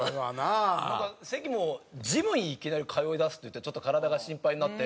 関もジムにいきなり通いだすっていってちょっと体が心配になって。